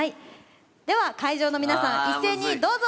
では会場の皆さん一斉にどうぞ！